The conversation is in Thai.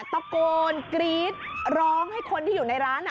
ตะโกนกรี๊ดร้องให้คนที่อยู่ในร้าน